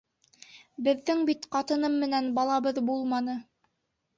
Беҙҙең бит ҡатыным менән балабыҙ булманы.